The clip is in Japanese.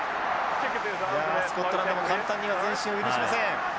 いやスコットランドも簡単には前進を許しません。